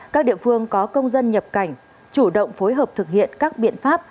các địa phương có công dân nhập cảnh chủ động phối hợp thực hiện các biện pháp